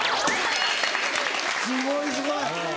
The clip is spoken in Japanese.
すごいすごい。